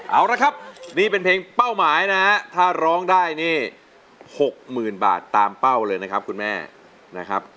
เอาละครับนี่เป็นเพลงเป้าหมายนะฮะถ้าร้องได้นี่๖๐๐๐บาทตามเป้าเลยนะครับคุณแม่นะครับ